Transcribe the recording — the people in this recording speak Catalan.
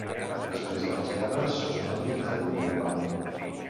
Després de les guerres, Sosnowiec es desenvolupà.